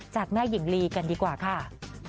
จากแม่หญิงลีกันดีกว่าค่ะ